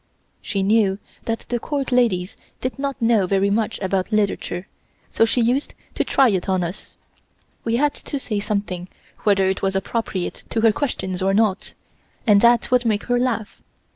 She knew that the Court ladies did not know very much about literature, so she used to try it on us. We had to say something whether it was appropriate to her questions or not, and that would make her laugh.